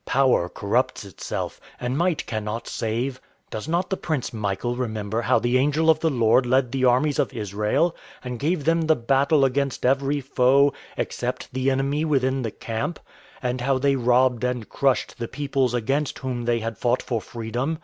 Power corrupts itself, and might cannot save. "Does not the Prince Michael remember how the angel of the Lord led the armies of Israel, and gave them the battle against every foe, except the enemy within the camp? And how they robbed and crushed the peoples against whom they had fought for freedom?